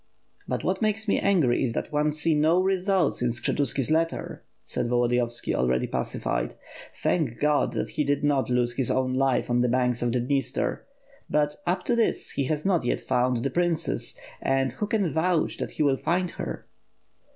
"But what makes me angry is that one can see no results in Skshetuski's letter," said Volodiyovski, already pacified, "thank Qod that he did not lose his own life on the banks of the Dniester. But, up to this, he has not yet found the princess; and who can vouch that he will find her?"